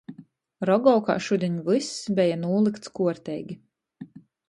Rogovkā šudiņ vyss beja nūlykts kuorteigi.